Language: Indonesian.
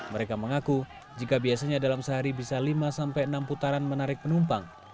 mereka mengaku jika biasanya dalam sehari bisa lima sampai enam putaran menarik penumpang